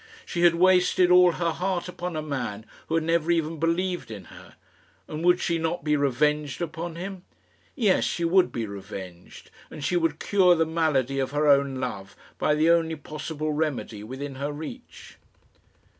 She had wasted all her heart upon a man who had never even believed in her; and would she not be revenged upon him? Yes, she would be revenged, and she would cure the malady of her own love by the only possible remedy within her reach.